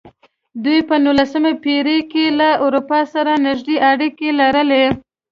دوی په نولسمه پېړۍ کې له اروپا سره نږدې اړیکې لرلې.